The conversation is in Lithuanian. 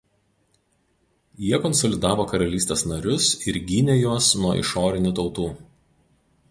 Jie konsolidavo karalystės narius ir gynė juos nuo išorinių tautų.